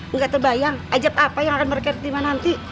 engga terbayang ajab apa yang akan mereka terima nanti